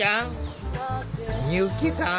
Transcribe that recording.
美由紀さん